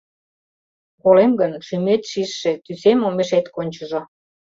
Колем гын, шӱмет шижше, тӱсем омешет кончыжо...